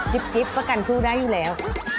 ประกันสู้ได้อยู่แล้ว